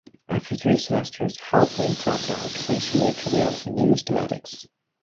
After three semesters, Halperin dropped out to pursue a career in numismatics.